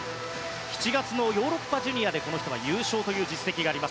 ７月のヨーロッパジュニアで優勝という実績があります。